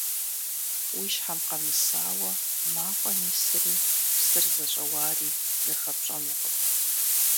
Уи щхьэм къэмысауэ мафӀэм исри псыр зыщӀэуари зыхэпщӀэнукъым.